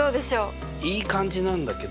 いい感じなんだけど。